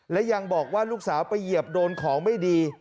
และยังบอกว่าลูกสาวไปเหยียบโดนของไม่ดี